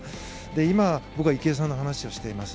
今、僕は池江さんの話をしています。